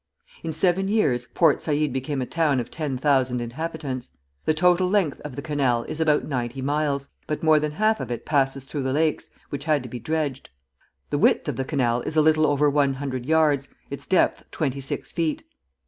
In seven years Port Saïd became a town of ten thousand inhabitants. The total length of the canal is about ninety miles, but more than half of it passes through the lakes, which had to be dredged. The width of the canal is a little over one hundred yards, its depth twenty six feet.